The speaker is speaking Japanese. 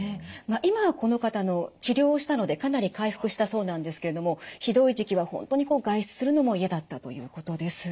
今はこの方治療したのでかなり回復したそうなんですけれどもひどい時期は本当に外出するのも嫌だったということです。